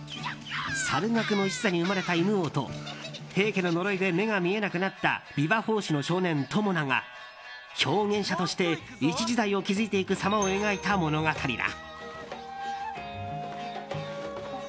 猿楽の一座に生まれた犬王と平家の呪いで目が見えなくなってしまった琵琶法師の少年・友魚が表現者として一時代を築いていくさまを描いた物語だ。